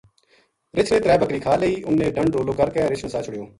رچھ نے ترے بکری کھا لئی انھ نے ڈنڈ رولو کر کے رچھ نسا چھُڑیو